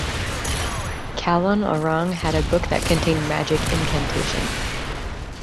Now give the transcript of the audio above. Calon Arang had a book that contained magic incantations.